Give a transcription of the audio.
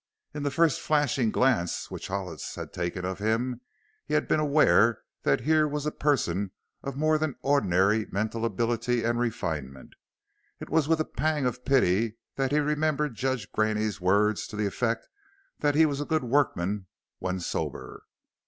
In the first flashing glance which Hollis had taken at him he had been aware that here was a person of more than ordinary mental ability and refinement. It was with a pang of pity that he remembered Judge Graney's words to the effect that he was a good workman "when sober."